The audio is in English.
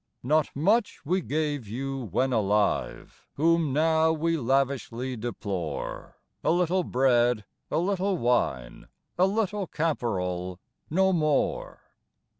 Not much we gave you when alive, Whom now we lavishly deplore, A little bread, a little wine, A little caporal no more.